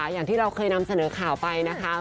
อย่างที่เราเคยนำเสนอข่าวไปนะคะ